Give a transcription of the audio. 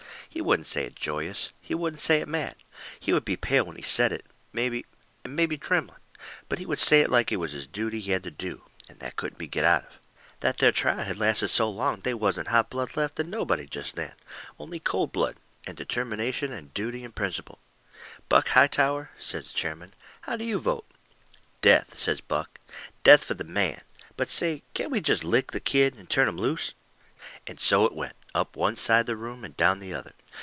He wouldn't say it joyous. He wouldn't say it mad. He would be pale when he said it, mebby and mebby trembling. But he would say it like it was a duty he had to do, that couldn't be got out of. That there trial had lasted so long they wasn't hot blood left in nobody jest then only cold blood, and determination and duty and principle. "Buck Hightower," says the chairman, "how do you vote?" "Death," says Buck; "death for the man. But say, can't we jest LICK the kid and turn him loose?" And so it went, up one side the room and down the other.